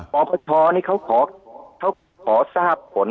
ปปชเขาขอทราบผล